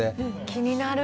気になる。